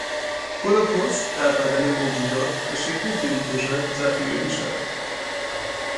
گلوکز در بدن موجودات به شکل گلیکوژن ذخیره می شود.